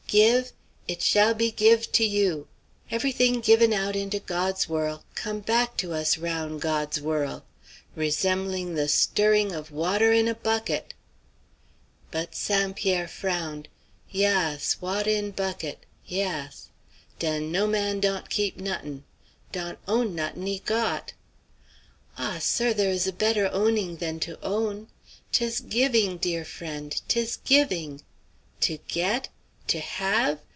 'Give it shall be give' to you.' Every thing given out into God's worl' come back to us roun' God's worl'! Resem'ling the stirring of water in a bucket." But St. Pierre frowned. "Yass, wat' in bucket, yass. Den no man dawn't keep nut'n'. Dawn't own nut'n' he got." "Ah! sir, there is a better owning than to own. 'Tis giving, dear friend; 'tis giving. To get? To have?